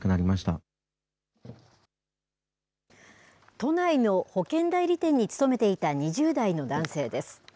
都内の保険代理店に勤めていた２０代の男性です。